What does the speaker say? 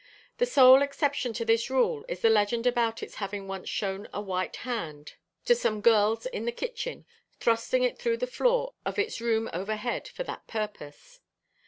The sole exception to this rule is the legend about its having once shown a white hand to some girls in the kitchen, thrusting it through the floor of its room overhead for that purpose.